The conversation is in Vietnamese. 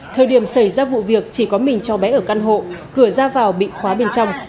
thời điểm xảy ra vụ việc chỉ có mình cháu bé ở căn hộ cửa ra vào bị khóa bên trong